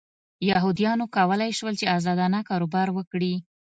یهودیانو کولای شول چې ازادانه کاروبار وکړي.